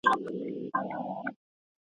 سياسي ځواکونه به د واک لپاره سيالي کوي.